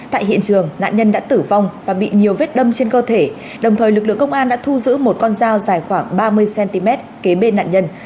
tại hiện trường nạn nhân đã tử vong và bị nhiều vết đâm trên cơ thể đồng thời lực lượng công an đã thu giữ một con dao dài khoảng ba mươi cm kế bên nạn nhân